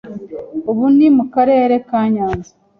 ubu ni mu karere ka Nyanza.